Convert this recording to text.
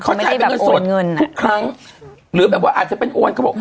เข้าใจเป็นเงินสดเงินทุกครั้งหรือแบบว่าอาจจะเป็นโอนเขาบอก